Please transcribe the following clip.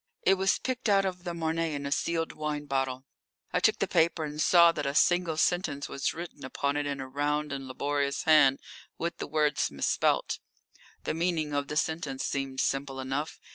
"It was picked out of the Marne in a sealed wine bottle." I took the paper, and saw that a single sentence was written upon it in a round and laborious hand with the words misspelt. The meaning of the sentence seemed simple enough.